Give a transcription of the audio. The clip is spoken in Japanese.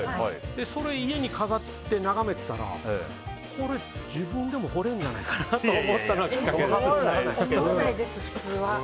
それを家に飾って眺めてたらこれ自分でも彫れるんじゃないかなと思ったのが思わないです、普通は。